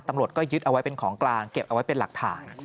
ตำรวจก็ยึดเอาไว้เป็นของกลางเก็บเอาไว้เป็นหลักฐาน